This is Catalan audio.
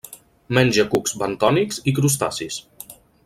Menja cucs bentònics i crustacis.